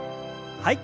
はい。